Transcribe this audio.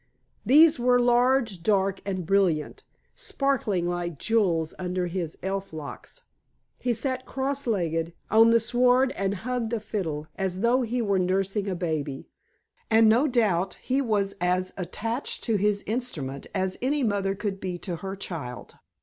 These were large, dark and brilliant, sparkling like jewels under his elf locks. He sat cross legged on the sward and hugged a fiddle, as though he were nursing a baby. And, no doubt, he was as attached to his instrument as any mother could be to her child.